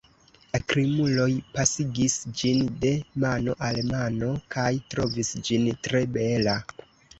La krimuloj pasigis ĝin de mano al mano, kaj trovis ĝin tre bela.